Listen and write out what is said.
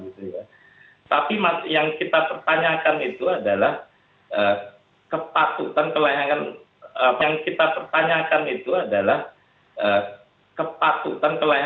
tapi yang kita pertanyakan itu adalah kepatutan kelayangan deddy corbusier